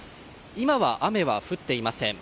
今は雨は降っていません。